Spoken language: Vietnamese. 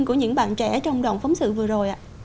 của những bạn trẻ trong đoạn phóng sự vừa rồi